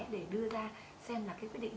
để đưa ra xem là cái quyết định